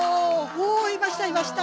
おいましたいました。